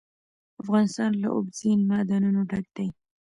افغانستان له اوبزین معدنونه ډک دی.